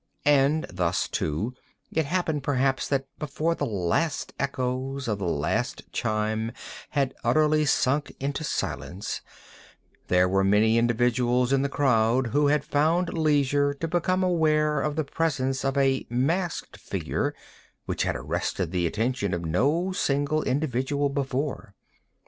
And thus, too, it happened, perhaps, that before the last echoes of the last chime had utterly sunk into silence, there were many individuals in the crowd who had found leisure to become aware of the presence of a masked figure which had arrested the attention of no single individual before.